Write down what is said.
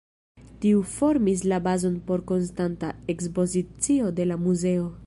Tiu formis la bazon por konstanta ekspozicio de la muzeo.